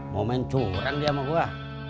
mau main curang dia sama gua